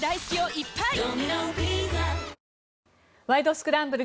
スクランブル」